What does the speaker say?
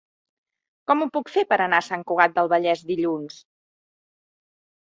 Com ho puc fer per anar a Sant Cugat del Vallès dilluns?